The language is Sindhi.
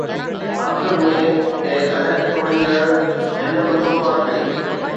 آخر ۾، اي عهد ٽوڙيندڙ، هن به توبه ڪئي